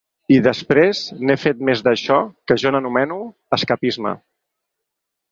I després n’he fet més d’això que jo n’anomeno ‘escapisme’.